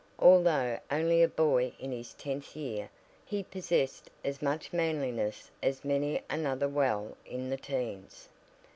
Although only a boy in his tenth year, he possessed as much manliness as many another well in the teens.